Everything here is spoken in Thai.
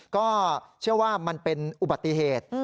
ก็เชื่อว่ามันเป็นอุบัติเหตุ